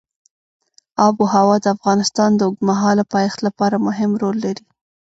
آب وهوا د افغانستان د اوږدمهاله پایښت لپاره مهم رول لري.